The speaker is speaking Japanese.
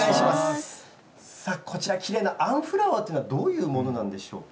こちら、きれいなあんフラワーというものは、どういうものなんでしょうか。